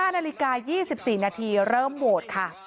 ๕นาฬิกา๒๔นาทีเริ่มโหวตค่ะ